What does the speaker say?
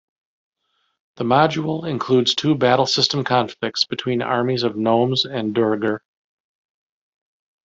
The module includes two Battlesystem conflicts, between armies of gnomes and duergar.